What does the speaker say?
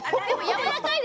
やわらかい？